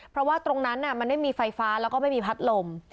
เพราะว่าตรงนั้นมันไม่มีไฟฟ้าแล้วก็ไม่มีพัดลม